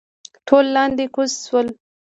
ټول لاندې کوز شول.